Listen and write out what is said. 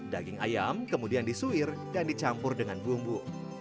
daging ayam kemudian disuir dan dicampur dengan bumbu